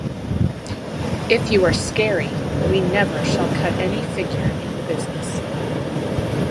If you are scary, we never shall cut any figure in the business.